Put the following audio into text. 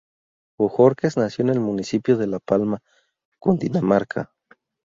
Bohórquez nació en el municipio de La Palma, Cundinamarca.